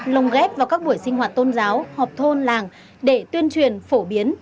lồng ghép vào các buổi sinh hoạt tôn giáo họp thôn làng để tuyên truyền phổ biến